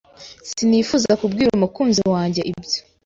sinifuza kubwira umukunzi wanjye ibyo.